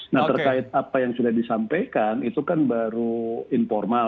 nah terkait apa yang sudah disampaikan itu kan baru informal